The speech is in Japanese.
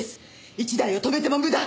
一台を止めても無駄！